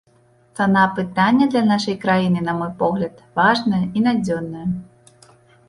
Цана пытання для нашай краіны, на мой погляд, важная і надзённая.